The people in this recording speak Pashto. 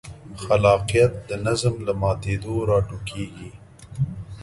خلاقیت د نظم له ماتېدو راټوکېږي.